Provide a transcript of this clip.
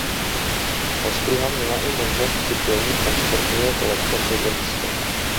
Ostruha měla i možnost připojení transportního kolečka přes ložisko.